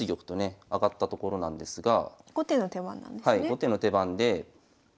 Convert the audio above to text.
後手の手番で。